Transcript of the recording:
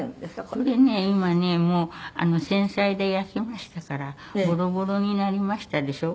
これね今ねもう戦災で焼けましたからボロボロになりましたでしょ。